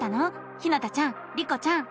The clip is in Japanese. ひなたちゃんリコちゃん。